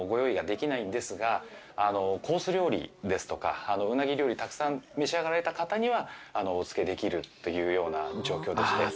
コース料理ですとかうなぎ料理たくさん召し上がられた方にはおつけできるというような状況でして。